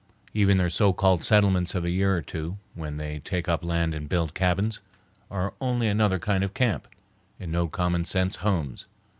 Even their so called settlements of a year or two, when they take up land and build cabins, are only another kind of camp, in no common sense homes.